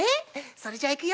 それじゃいくよ！